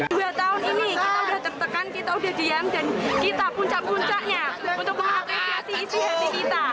karena cukup ruangannya kalau kan satu ruang